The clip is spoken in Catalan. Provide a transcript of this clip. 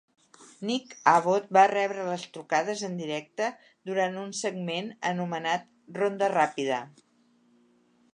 Nick Abbot va rebre les trucades en directe durant un segment anomenat "Ronda ràpida".